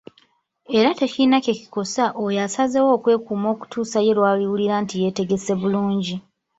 Era tekirina kye kikosa oyo asazeewo okwekuuma okutuusa ye lw'awulira nti yeetegese bulungi.